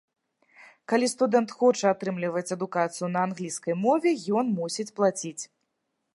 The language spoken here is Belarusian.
Калі студэнт хоча атрымліваць адукацыю на англійскай мове, ён мусіць плаціць.